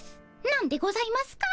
なんでございますか？